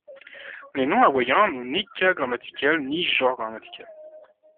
Les noms hawaïens n'ont ni cas grammatical ni genre grammatical.